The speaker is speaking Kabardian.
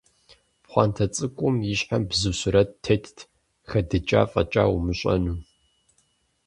Пхъуантэ цӀыкӀум и щхьэм бзу сурэт тетт, хэдыкӀа фӀэкӀа умыщӀэну.